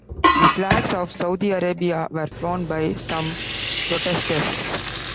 The flags of Saudi Arabia were flown by some protesters.